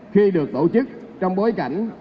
khi được tổ chức trong bối cảnh